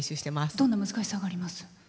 どんな難しさがあります？